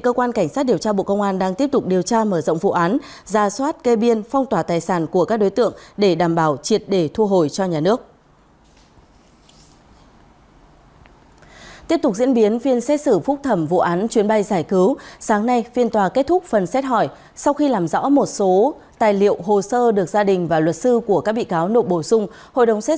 cơ quan cảnh sát điều tra bộ công an đang điều tra vụ án vi phạm quy định về nghiên cứu thăm dò khai thác tài nguyên đưa hối lộ nhận hối lộ nhận hối lộ nhận hối lộ